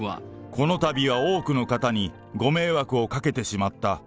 このたびは多くの方にご迷惑をかけてしまった。